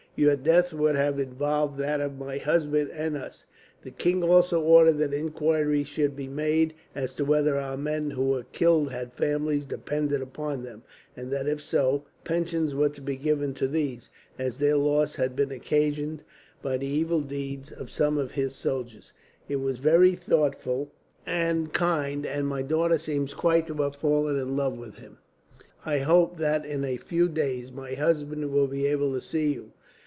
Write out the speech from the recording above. Your death would have involved that of my husband, and us. The king also ordered that inquiry should be made as to whether our men who were killed had families dependent upon them; and that if so, pensions were to be given to these, as their loss had been occasioned by the evil deeds of some of his soldiers. It was very thoughtful and kind, and my daughter seems quite to have fallen in love with him. "I hope that in a few days my husband will be able to see you.